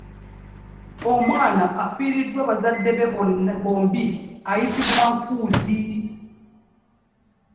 Omwana afiiriddwa bazadde be bombi ayitibwa nfuuzi.